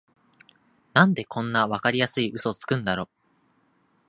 なんでこんなわかりやすいウソつくんだろ